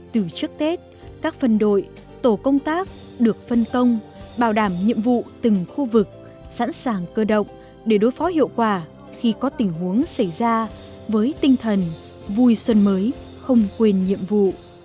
từ trước tết các phân đội tổ công tác được phân công bảo đảm nhiệm vụ từng khu vực sẵn sàng cơ động để đối phó hiệu quả khi có tình huống xảy ra với tinh thần vui xuân mới không quên nhiệm vụ